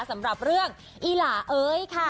สำหรับเรื่องอีหลาเอ้ยค่ะ